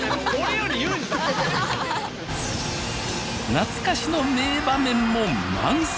懐かしの名場面も満載。